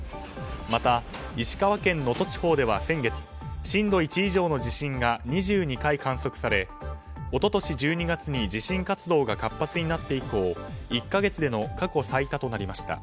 また、石川県能登地方では先月震度１以上の地震が２２回観測され一昨年１２月に地震活動が活発になって以降１か月での過去最多となりました。